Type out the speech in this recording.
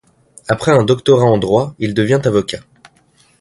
Après un doctorat en droit, il devient avocat.